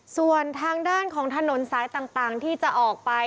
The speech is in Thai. ส่วนทางด้านของถนนสายต่างที่จะออกไป